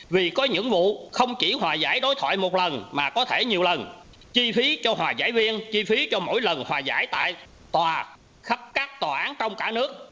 vì có những vụ không chỉ hòa giải đối thoại một lần mà có thể nhiều lần chi phí cho hòa giải viên chi phí cho mỗi lần hòa giải tại tòa khắp các tòa án trong cả nước